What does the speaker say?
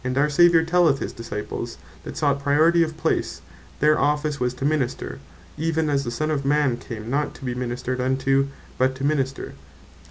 our Saviour telleth his Disciples, that sought Priority of place, their Office was to minister, even as the Son of man came, not to be ministred unto, but to minister.